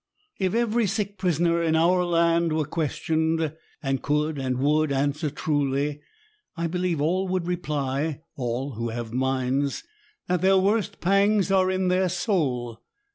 If every sick prisoner in our land were ques tioned, and could and would answer truly, I believe all would reply (all who have minds) that their worst pangs are in the soul.